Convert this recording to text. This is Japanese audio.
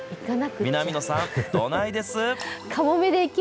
南野さん、どないです？